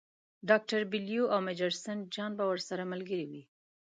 ډاکټر بیلیو او میجر سینټ جان به ورسره ملګري وي.